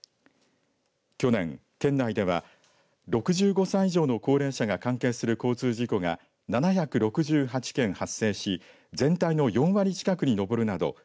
去年、県内では６５歳以上の高齢者が関係する交通事故が７６８件発生し全体の４割近くに上るなど